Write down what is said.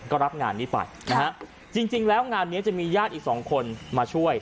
ก็รับงานนี้ไปนะฮะจริงแล้วงานนี้จะมีญาติอีกสองคนมาช่วย